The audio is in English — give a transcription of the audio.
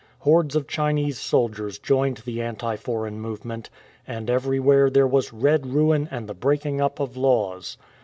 Hordes of Chinese soldiers joined the anti foreign movement, and everywhere there was "red ruin and the breaking up of laws.'